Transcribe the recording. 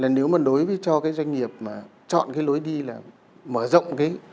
nếu mà đối với cho cái doanh nghiệp mà chọn cái lối đi là mở rộng cái